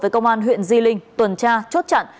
với công an huyện di linh tuần tra chốt chặn